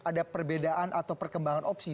ada perbedaan atau perkembangan opsi